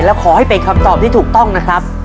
และขอให้เป็นคำตอบที่ถูกต้องนะครับ